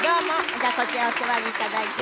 じゃあこちらお座り頂いて。